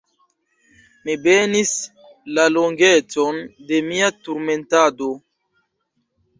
Mi benis la longecon de mia turmentado.